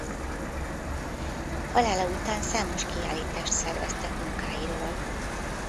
Halála után számos kiállítást szerveztek munkáiról.